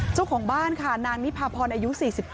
เจ้าของบ้านค่ะนางนิพาพรอายุ๔๙